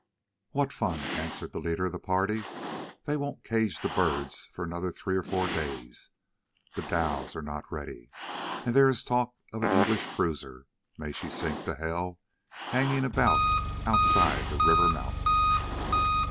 "What fun?" answered the leader of the party. "They won't cage the birds for another three or four days; the dhows are not ready, and there is talk of an English cruiser—may she sink to hell!—hanging about outside the river mouth."